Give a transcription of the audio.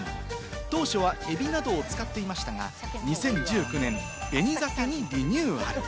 当初はエビなどを使っていましたが、２０１９年、紅鮭にリニューアル。